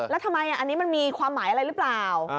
แล้วทำไมอันนี้มันมีความหมายอะไรหรือเปล่า